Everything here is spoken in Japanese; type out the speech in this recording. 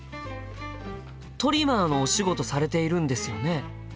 トリマーのお仕事されているんですよね？